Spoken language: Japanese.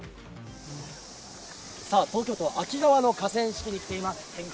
東京都秋川の河川敷に来ています。